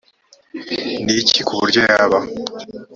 ni iki ku buryo yaba